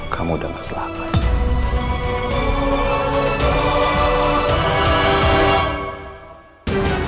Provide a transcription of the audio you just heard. kamu udah gak selamat